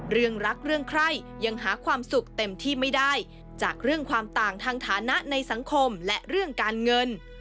เรื่องรักเรื่องใครยังหาความสุขเต็มที่ไม่ได้จากเรื่องความต่างทางฐานะในสังคมและเรื่องการเงิน